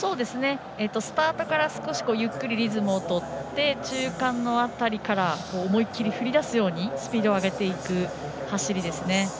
スタートから少しゆっくりリズムを取って中間の辺りから思い切り、振り出すようにスピードを上げていく走りですね。